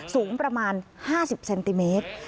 สูงประมาณ๕๐เซนติเมตร